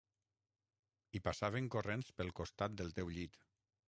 I passaven corrents pel costat del teu llit